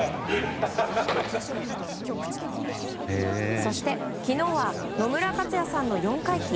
そして、昨日は野村克也さんの４回忌。